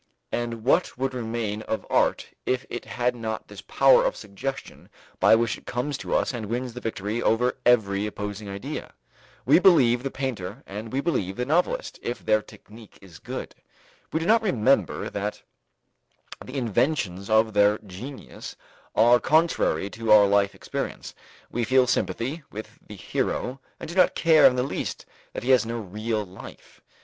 And what would remain of art if it had not this power of suggestion by which it comes to us and wins the victory over every opposing idea? We believe the painter and we believe the novelist, if their technique is good. We do not remember that the inventions of their genius are contrary to our life experience; we feel sympathy with the hero and do not care in the least that he has no real life.